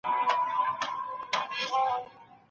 مګر تا له خلکو نه دي اورېدلي